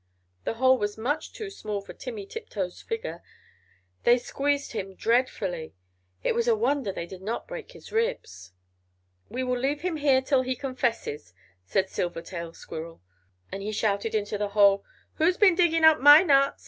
The hole was much too small for Timmy Tiptoes' figure. They squeezed him dreadfully, it was a wonder they did not break his ribs. "We will leave him here till he confesses," said Silvertail Squirrel, and he shouted into the hole "Who's been digging up my nuts?"